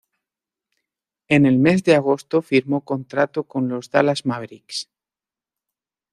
En el mes de agosto firmó contrato con los Dallas Mavericks.